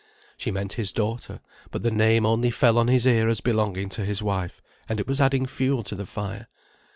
She meant his daughter, but the name only fell on his ear as belonging to his wife; and it was adding fuel to the fire.